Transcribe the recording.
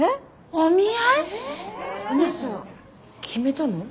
お姉さん決めたの？